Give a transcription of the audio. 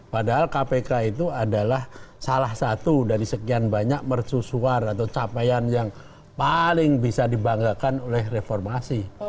padahal kpk itu adalah salah satu dari sekian banyak mercusuar atau capaian yang paling bisa dibanggakan oleh reformasi